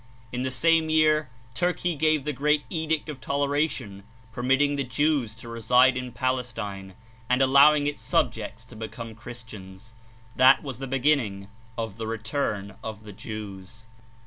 In the same year Turkey gave the great Edict of Toleration, permitting the Jews to reside in Palestine, and allowing its subjects to become Christians. That was the beginning of the "Return" of the Jews.